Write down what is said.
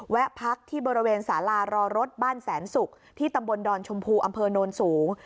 พักที่บริเวณสารารอรถบ้านแสนศุกร์ที่ตำบลดอนชมพูอำเภอโนนสูง